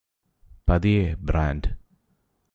പതിയെ ബ്രാൻഡ്